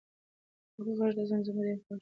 د هغې د غږ زمزمه ډېره خوږه وه.